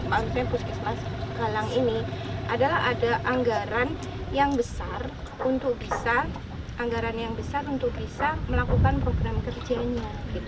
maksudnya puskesmas galang ini adalah ada anggaran yang besar untuk bisa melakukan program kerjanya